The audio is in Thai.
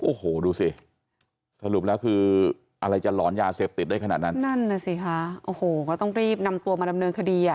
โอ้โหดูสิสรุปแล้วคืออะไรจะหลอนยาเสพติดได้ขนาดนั้นนั่นน่ะสิคะโอ้โหก็ต้องรีบนำตัวมาดำเนินคดีอ่ะ